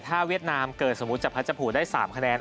ถ้าเวียดนามเกิดสมมุติจากพัชพูได้๓คะแนน